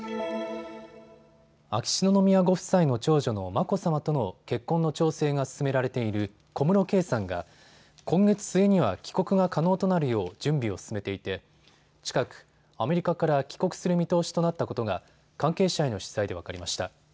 秋篠宮ご夫妻の長女の眞子さまとの結婚の調整が進められている小室圭さんが今月末には帰国が可能となるよう準備を進めていて近く、アメリカから帰国する見通しとなったことが関係者への取材で分かりました。